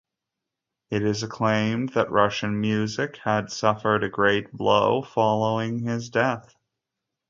It is acclaimed that Russian music had suffered a great blow following his death.